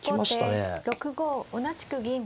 後手６五同じく銀。